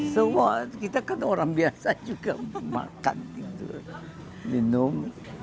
so what kita kan orang biasa juga makan gitu minum